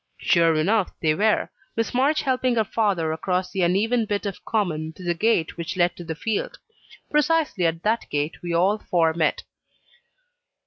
Sure enough they were Miss March helping her father across the uneven bit of common to the gate which led to the field. Precisely at that gate we all four met.